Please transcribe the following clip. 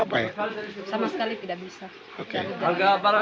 sama sekali tidak bisa